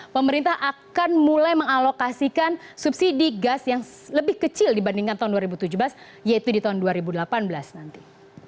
pemerintah akan mulai mengalokasikan subsidi gas yang lebih kecil dibandingkan tahun dua ribu tujuh belas yaitu di tahun dua ribu delapan belas nanti